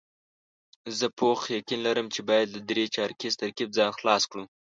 زه پوخ یقین لرم چې باید له درې چارکیز ترکیب ځان خلاص کړو.